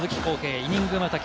イニングまたぎ。